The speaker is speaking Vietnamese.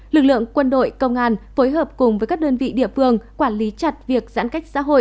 lực lượng quân đội công an phối hợp cùng với các đơn vị địa phương quản lý chặt việc giãn cách xã hội